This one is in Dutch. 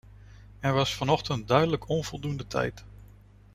Er was vanochtend duidelijk onvoldoende tijd.